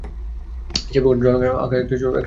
সেই প্যাকেটে জলরঙে আঁকা একটা চেরি গাছের ছবি।